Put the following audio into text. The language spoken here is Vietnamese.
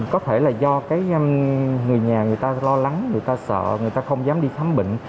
có thể là do người nhà người ta lo lắng người ta sợ người ta không dám đi khám bệnh